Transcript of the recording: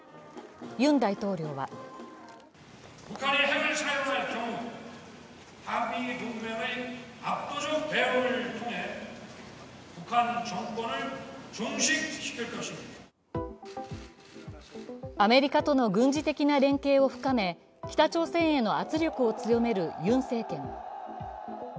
ユン大統領はアメリカとの軍事的な連携を深め、北朝鮮への圧力を強めるユン政権。